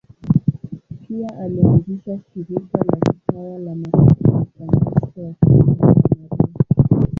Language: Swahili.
Pia alianzisha shirika la kitawa la Masista Wafransisko wa Familia ya Maria.